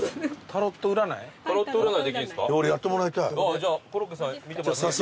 タロット占いだ。